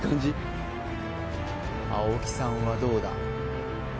青木さんはどうだ？